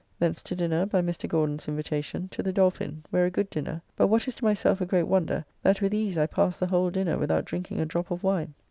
Thence to dinner, by Mr. Gauden's invitation, to the Dolphin, where a good dinner; but what is to myself a great wonder; that with ease I past the whole dinner without drinking a drop of wine.